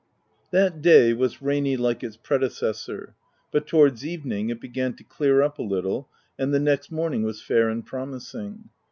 That day was rainy like its predecessor ; but towards evening it began to clear up a little, and the next morning was fair and promising.